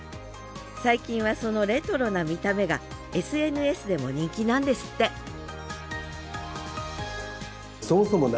最近はそのレトロな見た目がＳＮＳでも人気なんですってへえ。